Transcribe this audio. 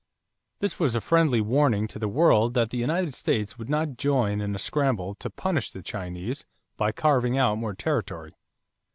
This was a friendly warning to the world that the United States would not join in a scramble to punish the Chinese by carving out more territory.